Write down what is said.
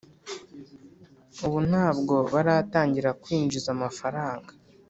Ubu ntabwo baratangira kwinjiza amafaranga